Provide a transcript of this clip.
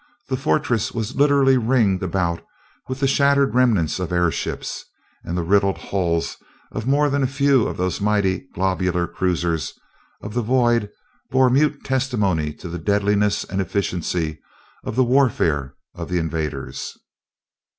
The fortress was literally ringed about with the shattered remnants of airships, and the riddled hulls of more than a few of those mighty globular cruisers of the void bore mute testimony to the deadliness and efficiency of the warfare of the invaders.